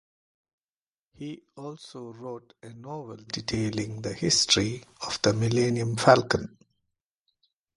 He also wrote a novel detailing the history of the "Millennium Falcon".